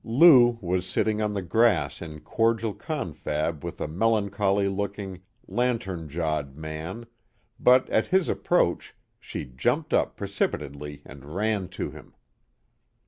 Lou was sitting on the grass in cordial confab with a melancholy looking, lantern jawed man, but at his approach she jumped up precipitately and ran to him.